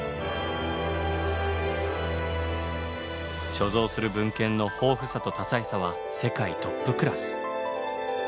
所蔵する文献の豊富さと多彩さは世界トップクラス。